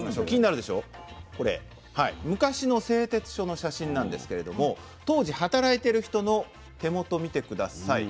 これ昔の製鉄所の写真なんですけれども当時働いてる人の手元見て下さい。